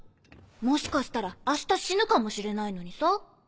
もしかしたら明日死ぬかもしれないのにさ。